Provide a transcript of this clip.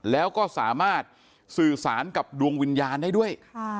แล้วก็สามารถสื่อสารกับดวงวิญญาณได้ด้วย